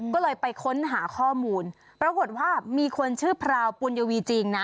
ก็เลยไปค้นหาข้อมูลปรากฏว่ามีคนชื่อพราวปุญยวีจริงนะ